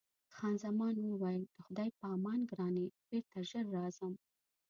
خان زمان وویل: د خدای په امان ګرانې، بېرته ژر راځم.